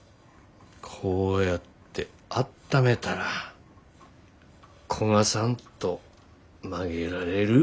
こうやってあっためたら焦がさんと曲げられる。